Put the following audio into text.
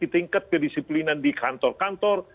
tingkat kedisiplinan di kantor kantor